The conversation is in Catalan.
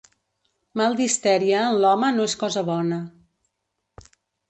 Mal d'histèria en l'home no és cosa bona.